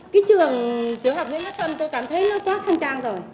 cái trường tiểu học nguyễn phiết xuân tôi cảm thấy nó quá khăn trang rồi